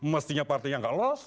mestinya partai yang nggak lolos